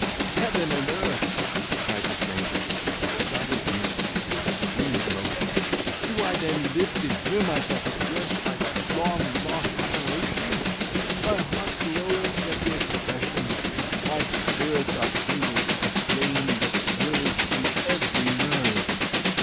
"Heaven and earth!" cried the stranger, starting from his seat with extreme emotion, "do I then live to hear myself addressed by that long lost appellation! my heart glows at the expression! my spirits are kindled with a flame that thrills through every nerve!